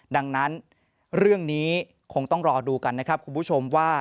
ดังนั้นเรื่องนี้คงต้องรอดูกันนะครับคุณผู้ชมว่า